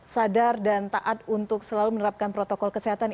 sadar dan taat untuk selalu menerapkan protokol kesehatan